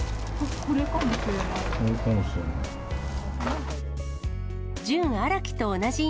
これかもしれない。